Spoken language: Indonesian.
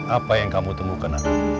apa yang kamu temukan